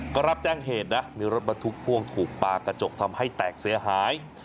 ก็รับแจ้งเหตุนะมีรถบรรทุกพ่วงถูกปลากระจกทำให้แตกเสียหาย